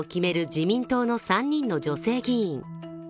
自民党の３人の女性議員。